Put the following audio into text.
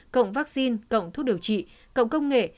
cộng vaccine cộng thuốc điều trị cộng công nghệ